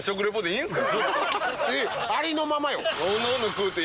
いいありのままよ。